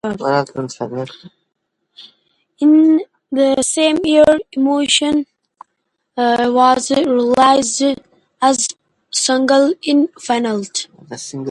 In the same year, "Emoton" was released as a single in Finland.